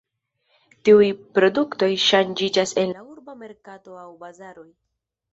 Tiuj produktoj ŝanĝiĝas en la urba merkato aŭ bazaroj.